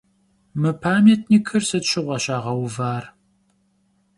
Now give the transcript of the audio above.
Mı pamyatnikır sıt şığue şağeuvar?